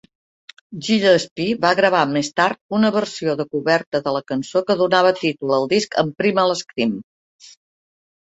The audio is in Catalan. Gillespie va gravar més tard una versió de coberta de la cançó que donava títol al disc amb Primal Scream.